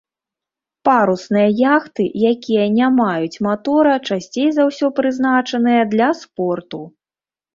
Парусныя яхты, якія не маюць матора, часцей за ўсё прызначаныя для спорту.